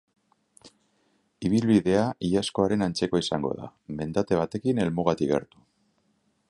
Ibilbidea iazkoaren antzekoa izango da, mendate batekin helmugatik gertu.